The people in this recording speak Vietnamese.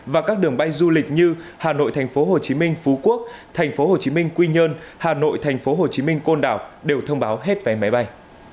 và các đường bay du lịch như hà nội thành phố hồ chí minh phú quốc thành phố hồ chí minh quy nhơn hà nội thành phố hồ chí minh côn đảo đều thông báo hết vé máy bay